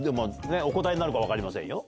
お答えになるか分かりませんよ。